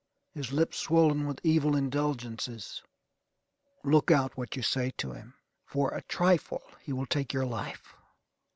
His lip swollen with evil indulgences. Look out what you say to him. For a trifle he will take your life.